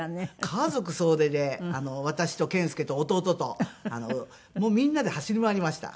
家族総出で私と健介と弟ともうみんなで走り回りました。